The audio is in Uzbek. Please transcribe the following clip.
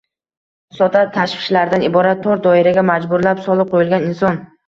sodda tashvishlardan iborat tor doiraga majburlab solib qo‘yilgan inson